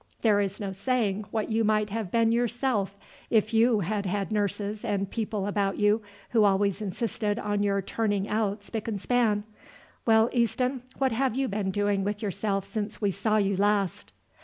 There is no saying what you might have been yourself if you had had nurses and people about you who always insisted on your turning out spick and span. Well, Easton, what have you been doing with yourself since we saw you last?"